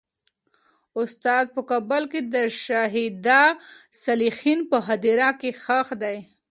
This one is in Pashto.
استاد په کابل کې د شهدا صالحین په هدیره کې خښ دی.